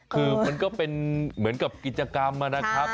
คือมันก็เป็นเหมือนกับกิจกรรมนะครับ